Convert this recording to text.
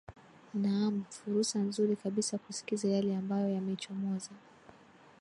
naam furusa nzuri kabisa kusikiza yale ambayo yamechomoza